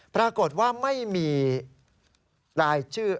ปรากฏว่าไม่มีรายชื่อ